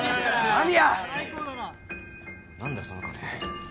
何だよその金